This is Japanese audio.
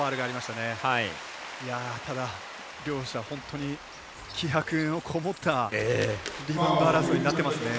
ただ両者、本当に気迫のこもったリバウンド争いになってますね。